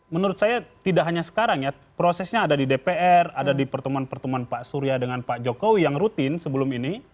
menurut saya tidak hanya sekarang ya prosesnya ada di dpr ada di pertemuan pertemuan pak surya dengan pak jokowi yang rutin sebelum ini